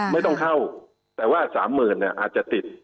ไม่ต้องเข้าแต่ว่า๓๐๐๐เนี่ยอาจจะติด